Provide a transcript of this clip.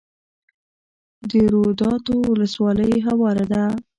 د روداتو ولسوالۍ هواره ده